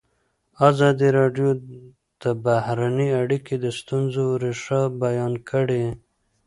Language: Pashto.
ازادي راډیو د بهرنۍ اړیکې د ستونزو رېښه بیان کړې.